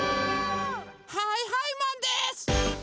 はいはいマンです！